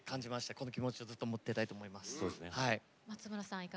この気持ちをずっと持っていたいと思います。